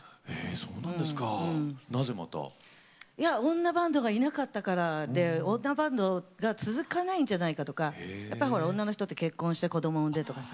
女バンドがいなかったからで女バンドが続かないんじゃないかとか女の人って結婚して子ども産んでとかさ。